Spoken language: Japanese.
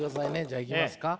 じゃあいきますか。